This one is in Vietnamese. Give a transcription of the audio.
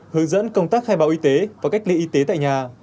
hướng dẫn công tác khai bạo y tế và cách lý y tế tại nhà